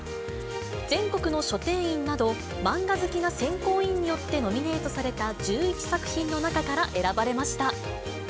全国の書店員などマンガ好きな選考委員によってノミネートされた１１作品の中から選ばれました。